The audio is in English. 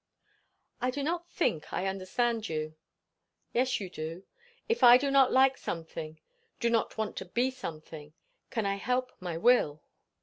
"I do not think I understand you." "Yes, you do. If I do not like something do not want to be something can I help my will?"